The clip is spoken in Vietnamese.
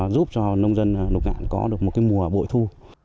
giúp cho nông dân lục ngạn có được một mùa bội thu